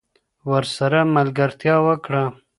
ورسره ملګرتیا وکړه